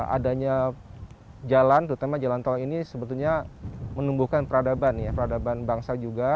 adanya jalan terutama jalan tol ini sebetulnya menumbuhkan peradaban ya peradaban bangsa juga